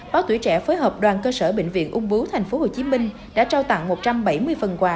báo tuổi trẻ phối hợp đoàn cơ sở bệnh viện ung bưu tp hcm đã trao tặng một trăm bảy mươi phần quà